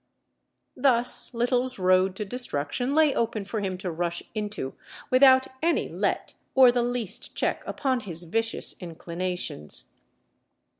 Thus Little's road to destruction lay open for him to rush into without any let or the least check upon his vicious inclinations.